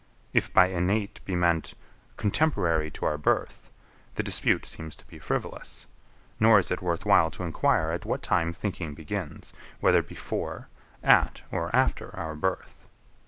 If by innate be meant, contemporary to our birth, the dispute seems to be frivolous; nor is it worth while to enquire at what time thinking begins, whether before, at, or after our birth.